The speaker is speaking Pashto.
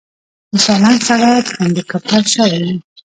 د سالنګ سړک کنډو کپر شوی و.